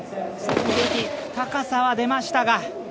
高さは出ましたが。